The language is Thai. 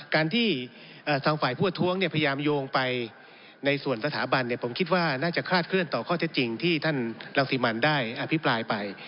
การที่ทางฝ่ายผู้ประท้วงพยายามโยงไปในส่วนสถาบันผมคิดว่าน่าจะคลาดเคลื่อนต่อข้อเท็จจริงที่ท่านรังสิมันได้อภิปรายไป